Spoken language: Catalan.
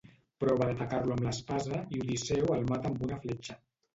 Prova d'atacar-lo amb l'espasa i Odisseu el mata amb una fletxa.